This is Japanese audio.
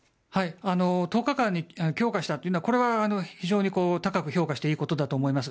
１０日間に強化したというのは高く評価していいことだと思います。